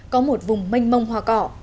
có một vùng mênh mông hoa cỏ